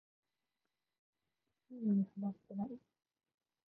スプラインにハマってない